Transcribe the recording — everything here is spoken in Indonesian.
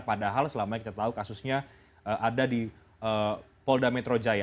padahal selama kita tahu kasusnya ada di polda metro jaya